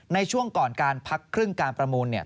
ในช่วงก่อนการพักครึ่งการประมูลเนี่ย